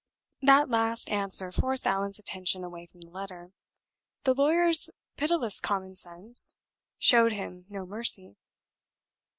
That last answer forced Allan's attention away from the letter. The lawyer's pitiless common sense showed him no mercy.